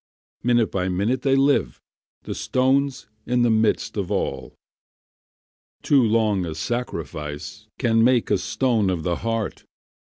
Minute by minute they live: The stone's in the midst of all. Too long a sacrifice Can make a stone of the heart.